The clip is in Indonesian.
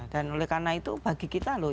dan oleh karena itu bagi kita loh